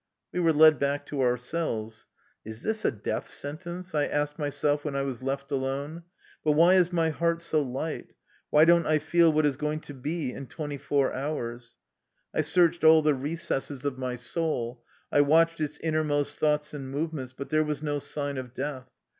We were led back to our cells. ^^ Is this a death sentence? " I asked myself when I was left alone. " But why is my heart so light? Why don't I feel what is going to be in twenty four hours?" I searched all the re cesses of my soul, I watched its innermost thoughts and movements, but there was no sign of death.